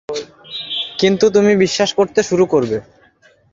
কিন্তু তুমি বিশ্বাস করতে শুরু করবে।